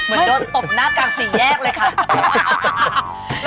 เหมือนโดนตบหน้ากลางสี่แยกเลยค่ะ